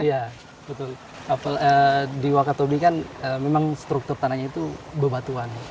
iya betul di wakatobi kan memang struktur tanahnya itu bebatuan